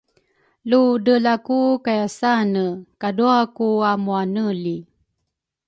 ludreelaku kaiasane kadrua ku amuaneli.